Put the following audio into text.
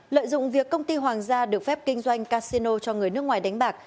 lợi dụng việc công ty hoàng gia được phép kinh doanh casino cho người nước ngoài đánh bạc